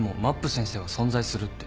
先生は存在するって。